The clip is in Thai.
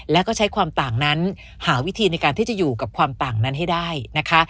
แล้วก็ใช้ความต่างนั้นหาวิธีในการที่จะอยู่กับความต่างนั้นให้ได้นะคะ